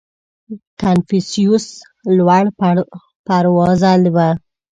• کنفوسیوس لوړ پروازه و.